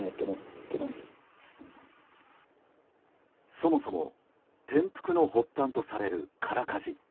そもそも転覆の発端とされる空かじ。